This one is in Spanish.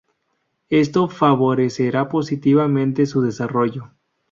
Esto favorecerá positivamente su desarrollo.